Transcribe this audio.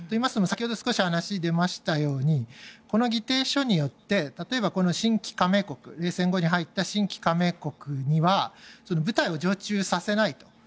先ほど少し話に出ましたようにこの議定書によって例えばこの新規加盟国冷戦後に入った新規加盟国には部隊を常駐させないと。